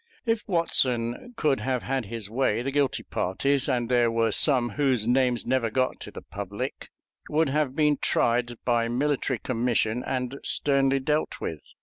If Watson could have had his way, the guilty parties and there were some whose names never got to the public would have been tried by military commission and sternly dealt with.